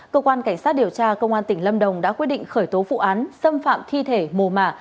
cơ quan cảnh sát điều tra công an tỉnh lâm đồng đã quyết định khởi tố vụ án xâm phạm thi thể mồ mả